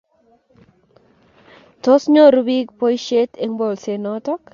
tos nyoru biik boisiet eng' bolset noto?